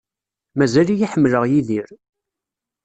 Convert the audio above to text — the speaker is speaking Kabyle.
Mazal-iyi ḥemmleɣ Yidir.